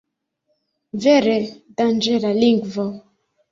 Vere, danĝera lingvo!